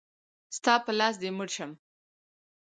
ستا په لاس دی مړ شم.